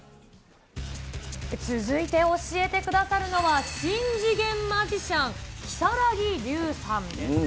続いて教えてくださるのは、新次元マジシャン、如月琉さんです。